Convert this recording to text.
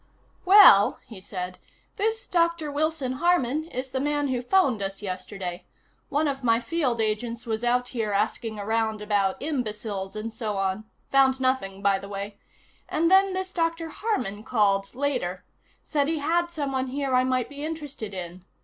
"Well," he said, "this Dr. Wilson Harman is the man who phoned us yesterday. One of my field agents was out here asking around about imbeciles and so on. Found nothing, by the way. And then this Dr. Harman called, later. Said he had someone here I might be interested in.